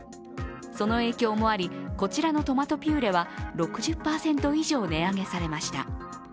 その影響もあり、こちらのトマトピューレは６０％以上値上げされました。